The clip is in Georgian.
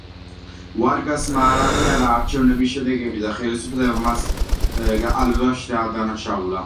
ვარგასმა არ აღიარა არჩევნების შედეგები და ხელისუფლება მის გაყალბებაში დაადანაშაულა.